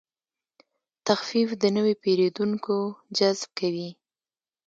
تخفیف د نوي پیرودونکو جذب کوي.